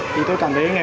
thì tôi cảm thấy